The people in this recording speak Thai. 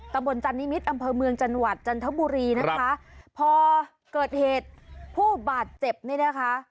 ตำบลจันนิมิตรอำเภอเมืองจังหวัดจันทบุรีนะคะพอเกิดเหตุผู้บาดเจ็บเนี่ยนะคะ